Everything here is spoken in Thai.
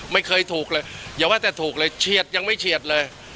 ไม่เคยถูกเลยอย่าว่าแต่ถูกเลยเฉียดยังไม่เฉียดเลย